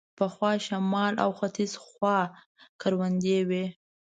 پخوا شمال او ختیځ خوا کروندې وې.